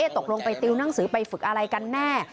ตกลงไปติวหนังสือไปฝึกอะไรกันแน่